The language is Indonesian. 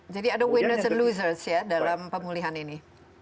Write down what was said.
jadi ada winners and losers ya dalam pemulihan ini